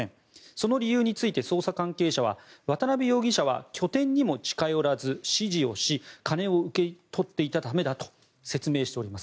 その理由について捜査関係者は渡邉容疑者は拠点にも近寄らず、指示をし金を受け取っていたためだと説明しています。